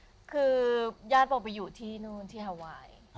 คือย่าพ่อไปอยู่ที่นู่นที่ฮาวัย